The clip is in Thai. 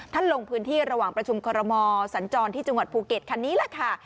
ลงพื้นที่ระหว่างประชุมคอรมอสัญจรที่จังหวัดภูเก็ตคันนี้แหละค่ะ